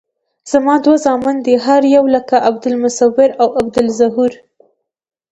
زما دوه زامن دي هر یو لکه عبدالمصویر او عبدالظهور.